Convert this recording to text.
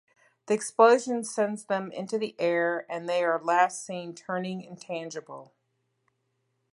The explosion sends them into the air and they are last seen turning intangible.